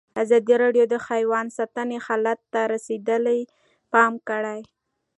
ازادي راډیو د حیوان ساتنه حالت ته رسېدلي پام کړی.